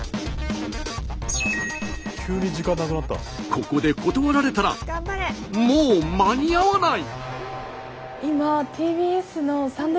ここで断られたらもう間に合わない。